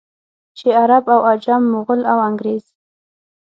چې عرب او عجم، مغل او انګرېز.